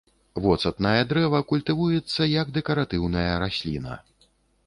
Воцатнае дрэва культывуецца як дэкаратыўная расліна.